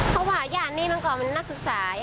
เพราะว่านี่มันก็มันนักศึกษา